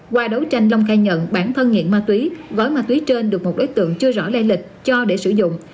qua đấu tranh long khai nhận bản thân nghiện ma túy gói ma túy trên được một đối tượng chưa rõ lây lịch cho để sử dụng